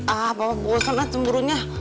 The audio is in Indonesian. ah bapak bosan lah cemburunya